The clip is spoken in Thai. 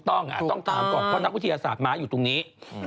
ต้องถามก่อนเพราะวิทยาศาสตร์มาอยู่ตรงนี้